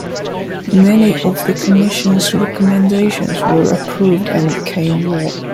Many of the Commission's recommendations were approved and became law.